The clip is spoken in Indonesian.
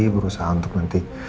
berusaha untuk nanti